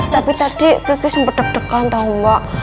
tapi tadi gigi sempet deg degan tau mbak